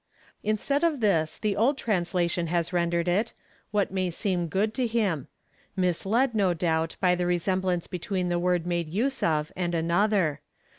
Instead of this the old translation has rendered it, What may seem good to him, mis led, no doubt, by the resemblance between the word made use of, and another.